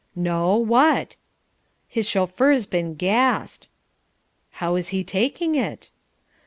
"No, what?" "His chauffeur's been gassed." "How is he taking it?"